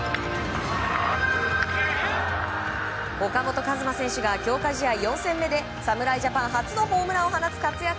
岡本和真選手が強化試合４戦目で侍ジャパン初のホームランを放つ活躍。